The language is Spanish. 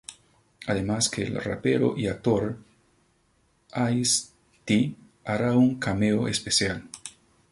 Además que el rapero y actor, Ice-T, hará un cameo especial.